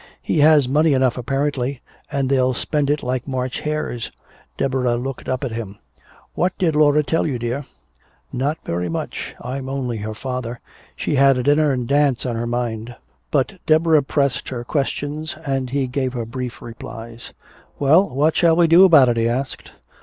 "He has money enough apparently and they'll spend it like March hares!" Deborah looked up at him: "What did Laura tell you, dear?" "Not very much. I'm only her father. She had a dinner and dance on her mind." But Deborah pressed her questions and he gave her brief replies. "Well, what shall we do about it?" he asked.